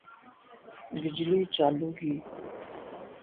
بجلی چالو کی